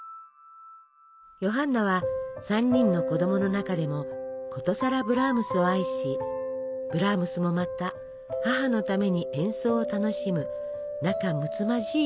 ヨハンナは３人の子供の中でもことさらブラームスを愛しブラームスもまた母のために演奏を楽しむ仲むつまじい親子でした。